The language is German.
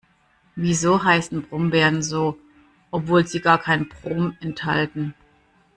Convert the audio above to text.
Wieso heißen Brombeeren so, obwohl sie gar kein Brom enthalten?